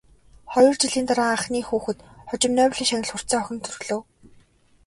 Хоёр жилийн дараа анхны хүүхэд, хожим Нобелийн шагнал хүртсэн охин нь төрлөө.